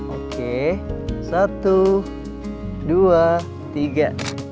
oke satu dua tiga